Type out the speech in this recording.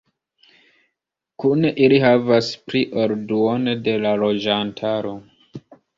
Kune ili havas pli ol duono de la loĝantaro.